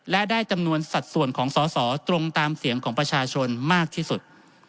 และได้จำนวนสัดส่วนของสอสอตรงตามเสียงของประชาชนมากที่สุด